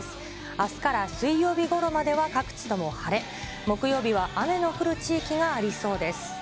あすから水曜日ごろまでは各地とも晴れ、木曜日は雨の降る地域がありそうです。